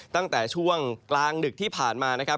ตั้งแต่ช่วงกลางดึกที่ผ่านมา